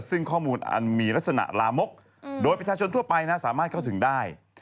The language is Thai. ซึ่งข้อมูลอันมีลักษณะลามกโดยประชาชนทั่วไปนะสามารถเข้าถึงได้